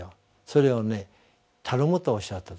それをね「頼む」とおっしゃった。